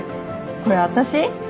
これ私？